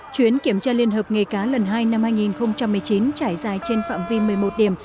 chuyến kiểm tra liên hợp nghề cá lần hai năm hai nghìn một mươi chín trải dài trên phạm vi một mươi một điểm